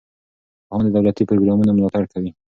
پوهان د دولتي پروګرامونو ملاتړ کوي.